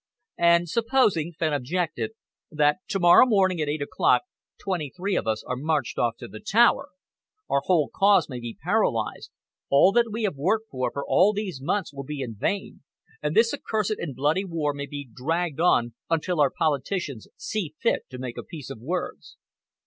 "And supposing," Fenn objected, "that to morrow morning at eight o'clock, twenty three of us are marched off to the Tower! Our whole cause may be paralysed, all that we have worked for all these months will be in vain, and this accursed and bloody war may be dragged on until our politicians see fit to make a peace of words."